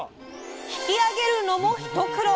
引き上げるのも一苦労！